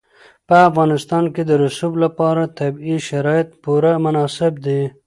په افغانستان کې د رسوب لپاره طبیعي شرایط پوره مناسب دي.